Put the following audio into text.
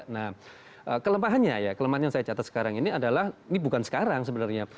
nah kelemahannya ya kelemahan yang saya catat sekarang ini adalah ini bukan sekarang sebenarnya